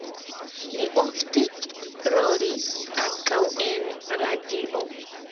Li ofte rolis ankaŭ en radio.